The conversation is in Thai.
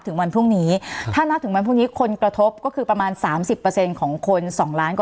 สนับสนุนโดยพี่โพเพี่ยวสะอาดใสไร้คราบ